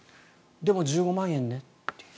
でも１５万円ね、という。